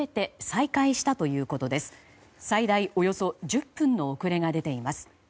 最大およそ１０分の遅れが出ています。